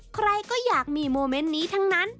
ใครก็อยากมีโมเมนต์นี้ทั้งนั้น